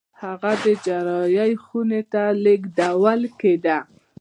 هغه د جراحي خونې ته لېږدول کېده.